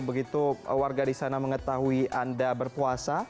begitu warga di sana mengetahui anda berpuasa